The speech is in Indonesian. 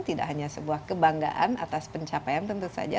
tidak hanya sebuah kebanggaan atas pencapaian tentu saja